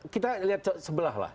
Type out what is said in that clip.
kita lihat sebelah lah